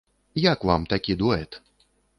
Як вам такі дуэт?